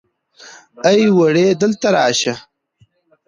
ای وړې دلته راشه.